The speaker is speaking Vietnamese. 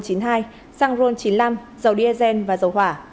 xăng ron chín mươi năm dầu diesel và dầu hỏa